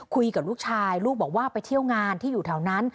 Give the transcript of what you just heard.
คุยกับลูกชายลูกบอกว่าไปเที่ยวงานที่อยู่แถวนั้น